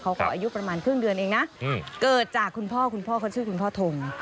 อายุประมาณครึ่งเดือนเองนะเกิดจากคุณพ่อคุณพ่อเขาชื่อคุณพ่อทง